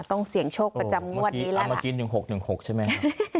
ต้องเสี่ยงโชคประจำงวดนี้แล้วล่ะเอาเมื่อกี้หนึ่งหกหนึ่งหกใช่ไหม